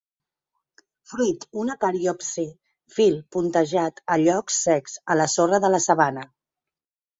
Fruit una cariopsi; fil puntejat. A llocs secs, a la sorra de la sabana.